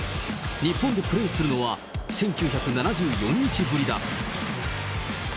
日本でプレーするのは１９７４日ぶりだ。